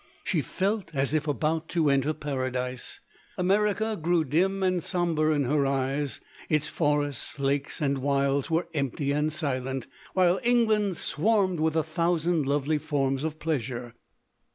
She felt as if about to enter Paradise. M D 250 LODORE. America grew dim and sombre in her eyes ; its forests, lakes, and wilds, were empty and silent, while England swarmed with a thousand lovely forms of pleasure.